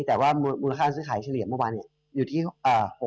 แต่ว่ามูลค่าซื้อขายเฉลี่ยมาวานนี้อยู่ที่๖๐๐๐๐ล้าน